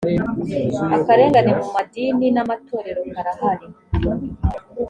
akarengane mu madini n’amatorero karahari